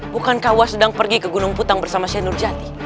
bukankah uat sedang pergi ke gunung putang bersama shainurjati